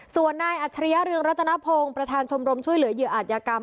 ส่วนนายอัจฉริยะเรืองรัตนพงศ์ประธานชมรมช่วยเหลือเหยื่ออาจยากรรม